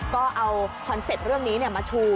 ก็เอาคอนเซ็ปต์เรื่องนี้มาชู